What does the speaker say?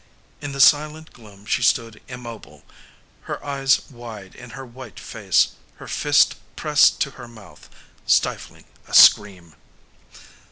In the silent gloom she stood immobile, her eyes wide in her white face, her fist pressed to her mouth, stifling a scream.